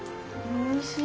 おいしい。